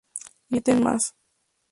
Ítem más.